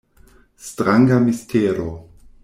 Stranga mistero!